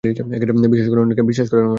বিশ্বাস করেন উনাকে?